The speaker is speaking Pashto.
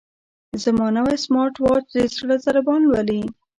زما نوی سمارټ واچ د زړه ضربان لولي.